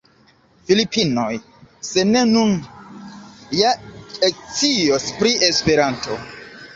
Filipinoj, se ne nun, ja ekscios pri Esperanto.